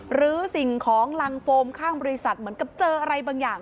สิ่งของรังโฟมข้างบริษัทเหมือนกับเจออะไรบางอย่าง